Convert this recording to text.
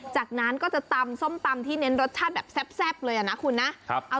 จากนั้นก็จะตำส้มตำที่เน้นรสชาติแบบแซ่บเลยนะคุณนะ